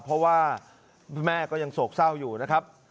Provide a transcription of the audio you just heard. เพราะว่าแม่ก็ยังโศกเศร้าอยู่นะครับ